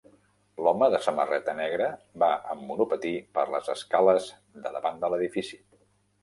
L'home de samarreta negra va amb monopatí per les escales de davant de l'edifici.